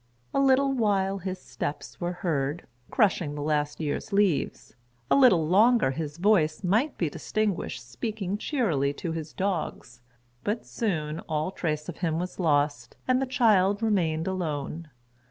A little while his steps were heard, crushing the last year's leaves; a little longer his voice might be distinguished speaking cheerily to his dogs; but soon all trace of him was lost, and the child remained alone.